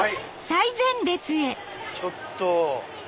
ちょっと。